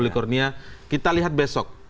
kita lihat besok